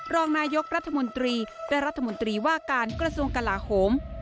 รองนายกรัฐมนตรีและรัฐมนตรีว่าการกระทรวงกลาโหม